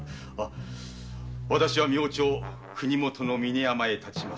私は明朝国もとの峰山にたちます。